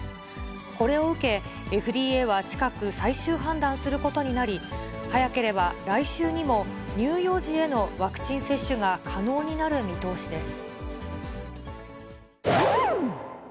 これを受け、ＦＤＡは近く、最終判断することになり、早ければ来週にも、乳幼児へのワクチン接種が可能になる見通しです。